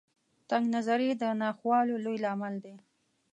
تنګ نظري د ناخوالو لوی لامل دی.